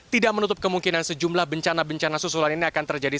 tidak menutup kemungkinan sejumlah bencana bencana susulan ini akan terjadi